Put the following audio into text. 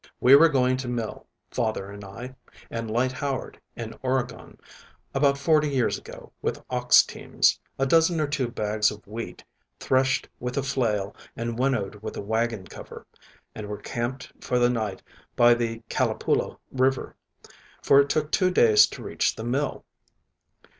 We were going to mill, father and I, and Lyte Howard, in Oregon, about forty years ago, with ox teams, a dozen or two bags of wheat, threshed with a flail and winnowed with a wagon cover, and were camped for the night by the Calipoola River; for it took two days to reach the mill.